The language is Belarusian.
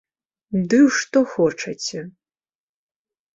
Ды ў што хочаце.